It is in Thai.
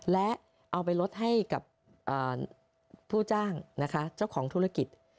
และเอาไปลดให้กับผู้จ้างนะคะเจ้าของธุรกิจ